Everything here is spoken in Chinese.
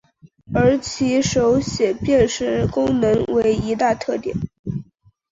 而其手写辨识功能为一大特点。